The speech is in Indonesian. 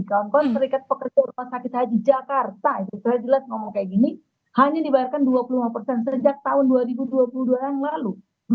kawan kawan serikat pekerja rumah sakit haji jakarta itu saya jelas ngomong kayak gini hanya dibayarkan dua puluh lima persen sejak tahun dua ribu dua puluh dua yang lalu